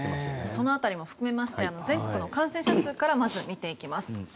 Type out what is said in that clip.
その辺りも含めて全国の感染者数からまず見ていきます。